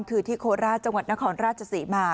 คือที่โคราชจังหวัดนครราชศรีมา